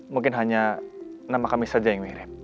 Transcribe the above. mungkin hanya nama kami saja yang mirip